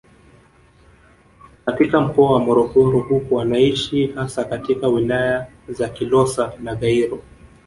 Katika mkoa wa Morogoro huko wanaishi hasa katika wilaya za Kilosa na Gairo